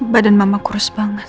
badan mama kurus banget